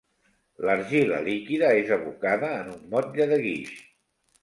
L'argila líquida és abocada en un motlle de guix.